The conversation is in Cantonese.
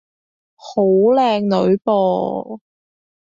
好靚女噃